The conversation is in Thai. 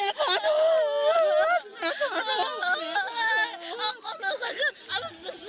แม็กกี้อยากบอกอะไรกับครอบครัวภรรยาไหมเป็นครั้งสุดท้าย